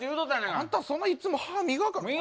あんたそんないっつも歯磨かん。